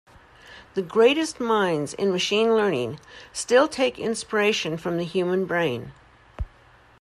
The greatest minds in machine learning still take inspiration from the human brain.